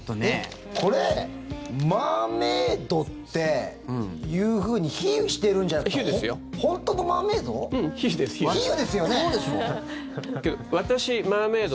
これマーメイドっていうふうに比喩してるんじゃなくて本当のマーメイド？